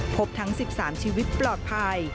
พบทั้ง๑๓ชีวิตปลอดภัย